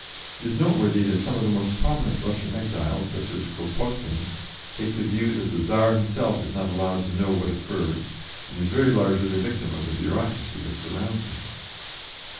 It is noteworthy that some of the most prominent Russian exiles such as Kropotkin take the view that the Tzar himself is not allowed to know what occurs, and is very largely the victim of the bureaucracy that surrounds him.